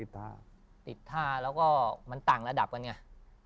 ที่ถ้ามันต่างระดับกันเงี้ย